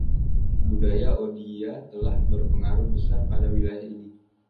Budaya Odia telah berpengaruh besar pada wilayah ini.